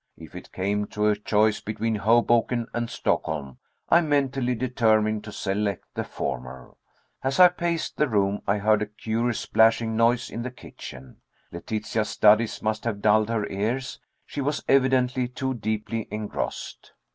If it came to a choice between Hoboken and Stockholm, I mentally determined to select the former. As I paced the room I heard a curious splashing noise in the kitchen. Letitia's studies must have dulled her ears. She was evidently too deeply engrossed.